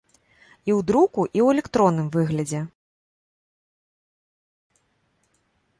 І ў друку, і ў электронным выглядзе.